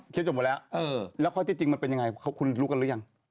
เคลียร์กระจกหมดแล้วแล้วข้อจริงมันเป็นยังไงคุณรู้กันหรือยัง